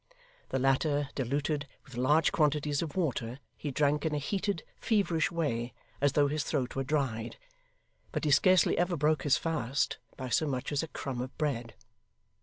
The latter diluted with large quantities of water, he drank in a heated, feverish way, as though his throat were dried; but he scarcely ever broke his fast, by so much as a crumb of bread.